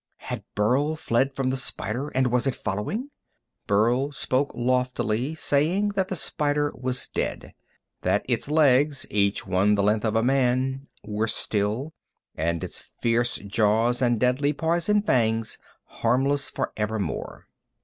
Had Burl fled from the spider, and was it following? Burl spoke loftily, saying that the spider was dead, that its legs, each one the length of a man, were still, and its fierce jaws and deadly poison fangs harmless forevermore.